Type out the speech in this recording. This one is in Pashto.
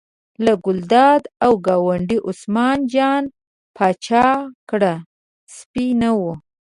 له ګلداد او ګاونډي عثمان جان پاچا کره سپی نه و.